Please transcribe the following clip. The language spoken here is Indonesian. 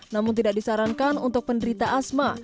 namun tidak disarankan untuk penderita asma